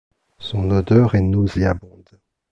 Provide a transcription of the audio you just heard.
Son odeur est nauséabonde.